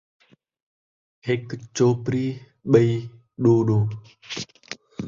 ہک چوپڑی ، ٻئی ݙو ݙو